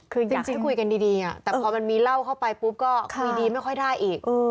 คือจริงคุยกันดีแต่พอมันมีเหล้าเข้าไปปุ๊บก็คุยดีไม่ค่อยได้อีก